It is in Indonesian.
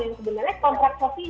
yang sebenarnya kontrak sosial